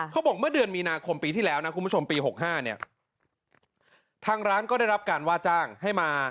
เมื่อเดือนมีนาคมปีที่แล้วนะคุณผู้ชมปี๖๕เนี่ยทางร้านก็ได้รับการว่าจ้างให้มา